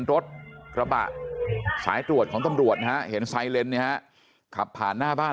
รถกระบะสายตรวจของตำรวจนะฮะเห็นไซเลนเนี่ยฮะขับผ่านหน้าบ้าน